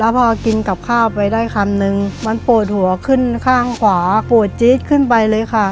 พอกินกับข้าวไปได้คำนึงมันปวดหัวขึ้นข้างขวาปวดจี๊ดขึ้นไปเลยค่ะ